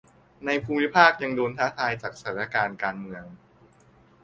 ในภูมิภาคยังโดนท้าทายจากสถานการณ์การเมือง